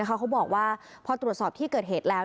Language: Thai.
เขาบอกว่าพอตรวจสอบที่เกิดเหตุแล้ว